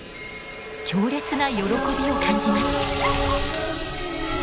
強烈な喜びを感じます。